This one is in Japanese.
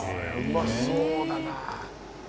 うまそうだな。